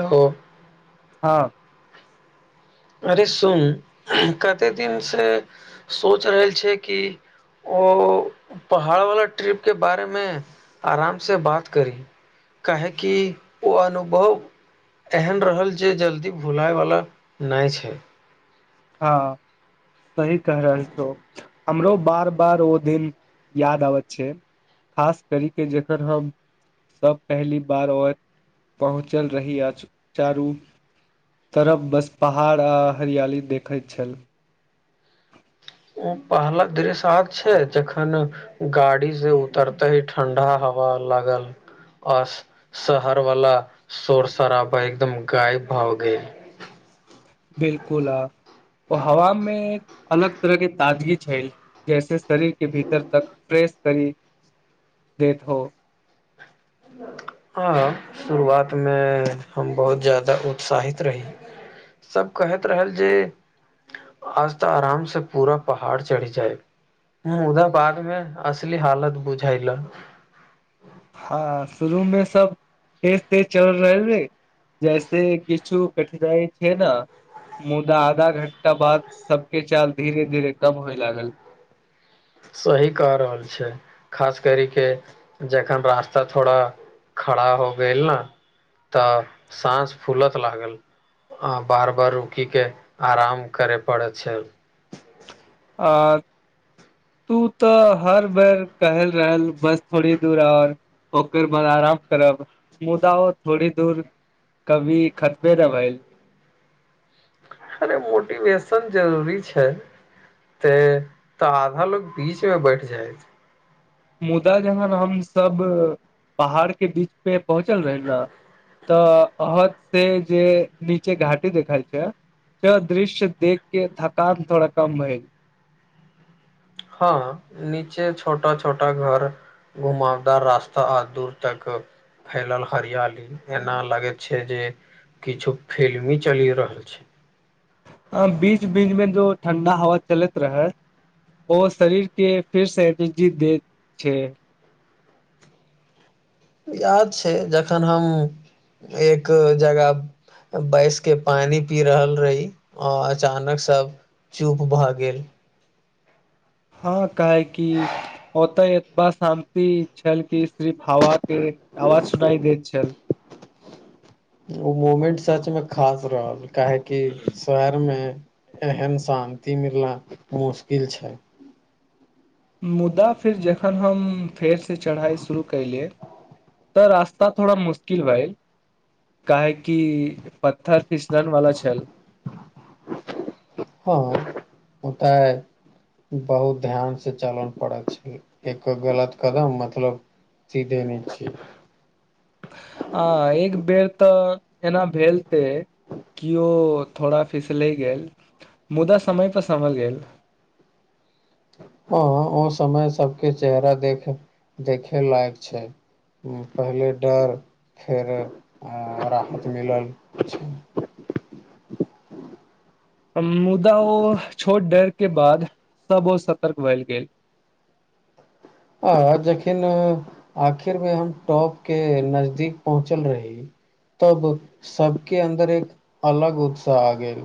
Hello हँ अरे सुन कते दिन से सोच रहल छियै कि ओ पहाड़ वाला ट्रिप के बारे मे आराम से बात करी काहेकि ओ अनुभव एहन रहल जे जल्दी भुलाय वला नय छै हँ सही कह रहल छौ हमरो बार बार ओ दिन याद आबै छै खास करी के जखन हम सब पहली बार आओर पहुँचल रही अ चारू तरफ बस पहाड़ आ हरियाली देखै छल ओ पहला दृश आब छै जखन गाड़ी से उतरतेै ठंडा हवा लागल आ शहर वाला शोरशराबा एकदम गायब भऽ गेल बिलकुल आ ओ हवा मेंश अलग तरह के ताजगी छै जैसे शरीर के भीतर तक फ्रेश करी दैत हो हँ शुरुआत मे हम बहुत जादा उत्साहित रही सब कहैत रहल जे आज तऽ आराम से पूरा पहाड़ चढ़ि जाइब मुदा बाद मे असली हालत बुझाइलऽ हँ शुरू मे सब तेज तेज चलल रहै जैसे किछु कठिनाइ छै न मुदा आधा घंटा बाद सबके चाल धीरे धीरे कम होय लागल सही कह रहल छी खास कर के जखन रास्ता थोड़ा खड़ा हो गयल न तऽ साँस फूलत लागल आ बार बार रुकी के आराम करै पड़ै छै आ तू तऽ हर बेर कहल रहल बस थोड़ी दूर आओर ओकर बाद आराम करब मुदा ओ थोड़ी दूर कभी खतबे नय भयल अरे मोटिवेशन जरूरी छै तेऽ ताधल बीच मे बैठ जायत मुदा जहन हम सब पहाड़ के बीच पे पहुँचल रहे न तऽ अहद से जे नीचे घाटी देखलये तऽ दृश्य देख के थकान थोड़ा कम रहए हँ नीचे छोटा छोटा घर घुमावदार रास्ता आद दूर तक फैलल हरियाली एना लागैत छै जे किछु फिल्मी चलि रहल छै ह बीच बीच में जो ठण्डा हवा चलैत रहै ओ शरीर के फेर से एनर्जी देत छै याद छै जखन हम एक जगह बैस के पानि पी रहल रही आ अचानक सब चुप भऽ गेल हँ काहे कि ओतऽ एतबा शान्ति छल कि सिर्फ हवा के आवाज सुनाई दैत छल ओ मूमेंट सच मे खास रहल काहेकि शहर मे एहन शान्ति मिलना पर मुश्किल छै मुदा फेर जखन हम फेरसे चढ़ाइ शुरू कयले तऽ रास्त थोड़ा मुश्किल भाए काहे कि पत्थर फिसलन वाला छल हँ ओतय बहुत ध्यान से चलल पड़त छै एको गलत कदम मतलब चीजे नै छी आ एक बेर तऽ एना भेल ते किओ थोड़ा फिस लहि गेल मुदा समय पर सम्हल गेल ह ओ समय सब के चेहरा देख देखे लायक छै पहिले डर फेर राहत मिलल छै मुदा ओ छोट डर के बाद सब ओ सतर्क भेलल गेल अ जखन आखिर मे हम टॉप के नजदीक पहुँचल रही तब सबके अन्दर एक अलग उत्साह आ गेल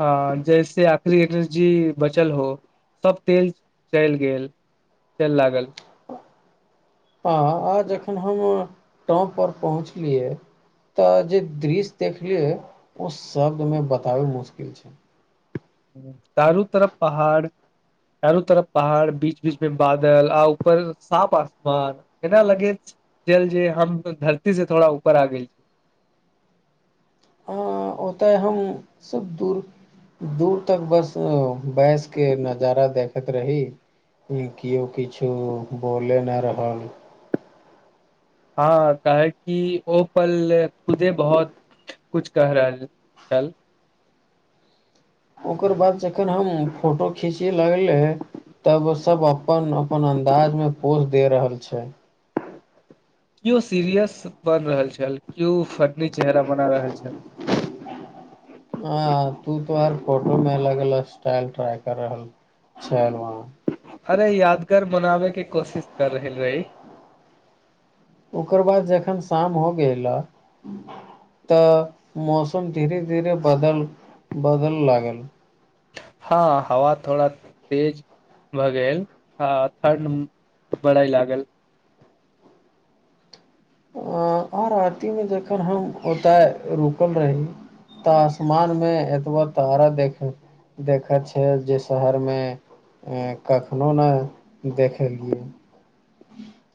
हँ जैसे आखिरी एनर्जी बचल हो सब तेल चलि गेल केहेन लागल हँ आहाॅं जखन हम टाॅम पर पहुँचलियै अऽ जे दृश्य देखलियै ओ शब्द मे बताबै मुश्किल छै दारू तरफ पहाड़ चारू तरफ पहाड़ बीच बीच मे बादल आ ऊपर साफ आसमान एना लगे जेल जे हम धरती से थोड़ा ऊपर आ गेल छी ओतय ता है हम सबब दूर दूर तक बस बैस के नजारा देखैत रही कोय कियो किछु बोले नहि रहल हँ काहे की ओ पल ले खुदे बहुत कुछ कह रहल डल ओकर बाद जखन हम फोटो खींचै लगलै तब सब अपन अपन अन्दाज में पोस दे रहल छैय कीइयो सीरियस पर रहल छल कीइयो फटनीचेहरा बना रहल छल आऽ तू तोहरफोटो में अलग अलग स्टाइल ट्राइ कर रहल छैल वहा अरे यादगार मनावेके कोशिश कर रहहल रही ओकर बाद जखन शाम हो गेला तऽ मौसम धीरे धीरे बदल बदल लागल हँ हवा थोड़ा तेज भऽ गेल हा थंड परैयलागल अ आर आती मे जकर हम ओतैय रुकल रही तऽ आसमान मे एतबा तारा देखै देख छैल जे शहर में कखनो नैय देखेलियए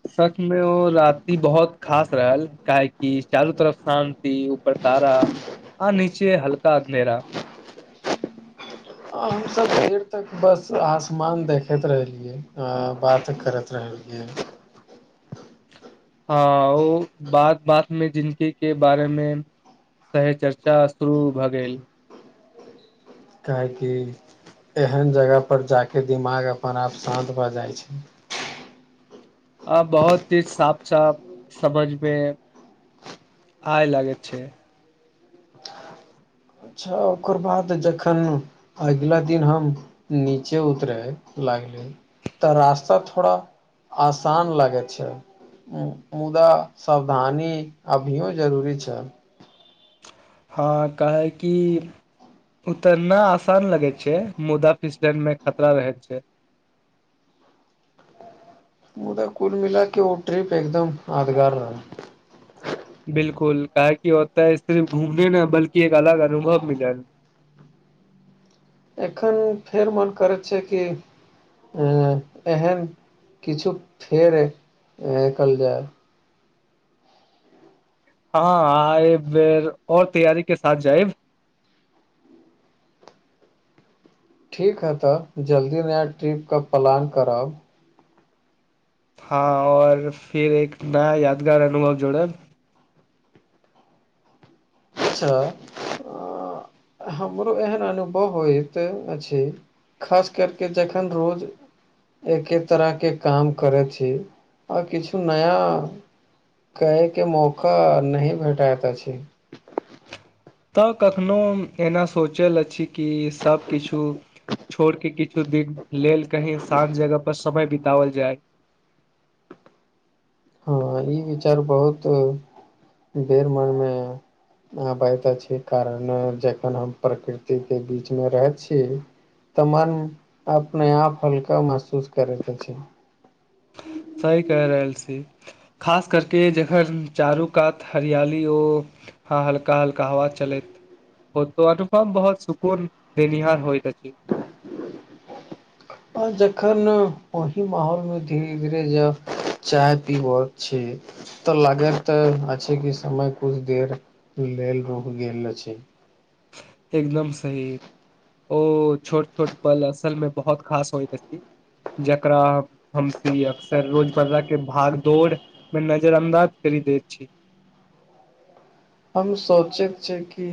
सच मे ओ राति बहुत खास रहल काहेकि चारू तरफ शांति ऊपर तारा आ नीचे हल्का अंधेरा हमस देर तक बस आसमान देखैत रहलियै बात करैत रहलिय आ [unintelligible] हा ओ बात बात मे जिननके के बारे में सहे चर्चा शुरू भऽ गेल काहेकि एहन जगह पर जाके दिमाग अपन आप शान्त भए जाइ छैय आ बहुत चीज साफ साफ समझमे आय लागैत छैय तऽ अच्छा ओकर बाद जखन अगैला दिन हम नीचे उतरे लागले तऽ रास्ता थोड़ा आसान लागे छैय मुदा सावधानी अभियो जरूरी छ हा का हे की उतरना आसान लगे छै मुदा फिसल न में खतरा रहै छै मुदा कुल मिला के ओ ट्रिरिप एकदम यादगार रह विल्कुल काहे की ओत सिर्फ घूमने न बल्की एक अलग अनुभव मिलल एखन फेर मन करैत छै य कि एहन किछु फेर इकल जाए हँ आए बैर और तैयारी के साथ जाइब ठीक है तऽ जल्दी आइ ट्रिप का प्लान करब हँ और फिर एक नया यादगार अनुभव जोड़ब च अऽहमरो एहन अनुभव होइत अछि खास करके जखन रोज एके तरहके काम करैत छी आ ऽ किछु नया क्यैके के मौका नहि भेटैत अछि तऽ कखनहु एना सोचल अछि कि सभकिछु छोड़ के किछु दिन लेल कही शांत जगह पर समय बित। ओल जाय हँ ई विचार बहुत बेर मनमे आब तऽ अहि कारण जखन हम प्रकृति के बीच मे रहै छिइ तऽ मन अपने आप हल्का महसूस करैत अछि सही कहइ रहल छी खास करके जखन चारू कात हरियाली ओ हा हल्का हल्का हवा चलैत ओ तो अनुपम बहुत सुकून देनिहार होइत अछि आ जखन वही माहौलमे धीरे ज चाय पीब क छै तऽ लागैत त अछि कि समय कुछ देर लेल रुक गेल अछि एकदम सही ओ छोट छोट पल असल मे बहुत खास होइ त अछि जकरा हमस अक्सर रोजप्रा के भाग दौड़ मे नजर अंदाज कर दैय छी हम सोचैक छै कि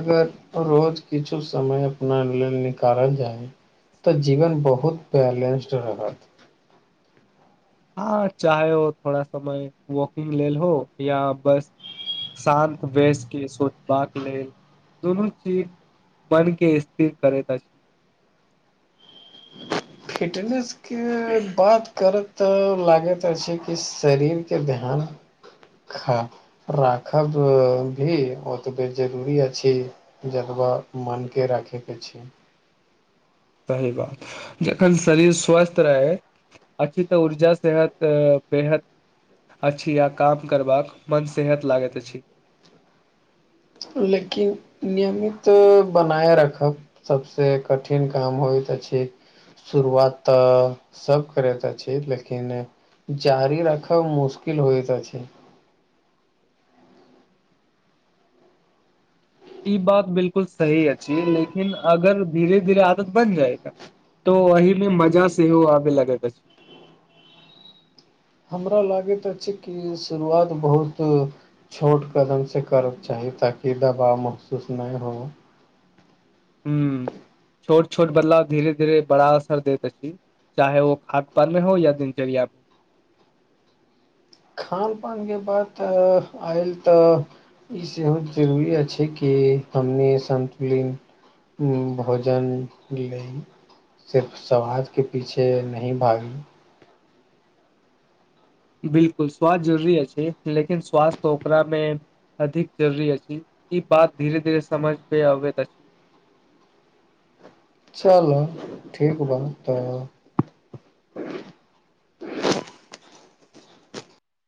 अगर रोज किछु समय अपना लेल निकारल जाय तऽ जीवन बहुत बेलंस्ट रहत हँ चाहे हो थोड़ा समय वकिंग लेल हो या बस शान्त वेसके सोचबाक लेल दुनू चीज मन के स्थिर करैत अछि फिटनेसके बात करत तऽ लागैत अछि कि शरीरके ध्यान खाक राखब भी ओतऽ बे जरूरी अछि जतबा मन के राखेके छैय सही बात जखन शरीर स्वस्थ रहै अच्छा तऽ ऊर्जा सेहतऽबेहद अछि आ काम करबाक मन सेहत लागैत अछि लेकिन नियमित बनाय रखब सबसे कठिन काम होइतऽ अछि शुरुआत तऽ सभ करैतऽ अ छी लेकिन जारी रखब मुश्किल होइत अछि ई बात बिलकुल सही अछि लेकिन अगर धीरे धीरे आदत बन जाएगा तो ओही मे मजा सेहो आबे लगैत अछि हमरा लागैत अछि कि शुरुआत बहुत छोट कदम से करक चाही ताकि दबाव महसूस नैय हो हूँ [inaudible] छोट छोट बदलाव धीरे धीरे बड़ा असर दे त अ छी चाहे व खाद्य पान में हो या दिनचर्या मे खान पान के बातऽआयल तऽ ई सेहो जरुरी अछि कि हमनी समतुलिंग उम भोजन लय सिर्फ समाजके पीछे नहि भागी बिलकुल स्वास्थ्य जरुरी अछि लेकिन स्वास्थ ओकरामे अधिक जरुरी अछि ई बात धीरे धीरे समझ पे अबैत अछि चल ठीक बाऽ तऽ